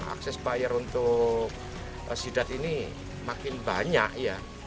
akses bayar untuk sidat ini makin banyak ya